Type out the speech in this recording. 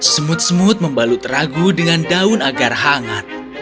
semut semut membalut ragu dengan daun agar hangat